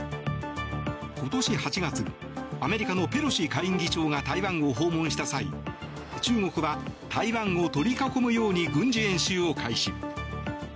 今年８月、アメリカのペロシ下院議長が台湾を訪問した際中国は台湾を取り囲むように軍事演習を開始。